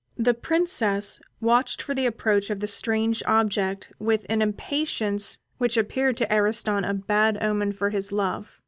The Princess watched for the approach of the strange object with an impatience which appeared to Ariston a bad omen for his love.